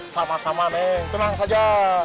sama sama nih tenang saja